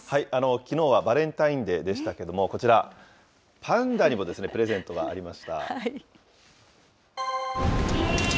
きのうはバレンタインデーでしたけれども、こちら、パンダにもプレゼントがありました。